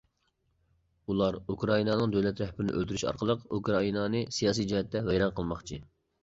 ئۇلار ئۇكرائىنانىڭ دۆلەت رەھبىرىنى ئۆلتۈرۈش ئارقىلىق ئۇكرائىنانى سىياسىي جەھەتتە ۋەيران قىلماقچى.